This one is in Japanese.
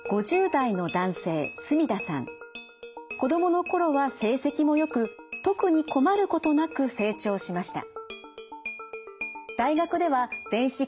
子どもの頃は成績もよく特に困ることなく成長しました。